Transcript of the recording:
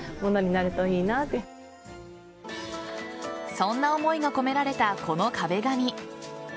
そんな思いが込められたこの壁紙。